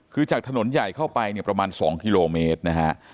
คือจากถนนใหญ่เข้าไปเนี่ยประมาณ๒กิโลเมตรนะฮะ